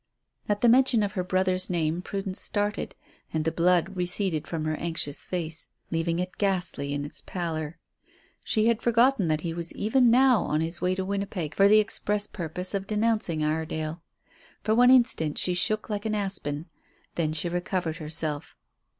At the mention of her brother's name, Prudence started, and the blood receded from her anxious face, leaving it ghastly in its pallor. She had forgotten that he was even now on his way to Winnipeg for the express purpose of denouncing Iredale. For one instant she shook like an aspen. Then she recovered herself.